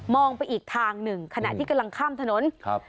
ไปอีกทางหนึ่งขณะที่กำลังข้ามถนนครับ